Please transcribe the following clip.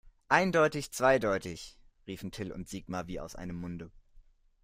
Eindeutig zweideutig, riefen Till und Sigmar wie aus einem Munde.